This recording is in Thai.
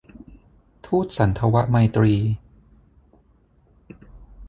ทูตสันถวไมตรี